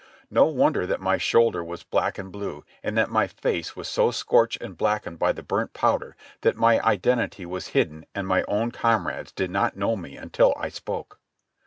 No wonder that my shoulder was black and blue, and that my face was so scorched and blackened by the burnt powder that my identity was hidden and my own comrades did not know me until I spoke.